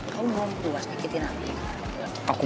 kamu belum puas dikitin aku